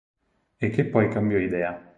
E che poi cambiò idea.